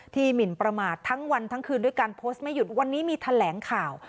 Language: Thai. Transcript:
หมินประมาททั้งวันทั้งคืนด้วยการโพสต์ไม่หยุดวันนี้มีแถลงข่าว